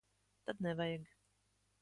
Tad nevajag.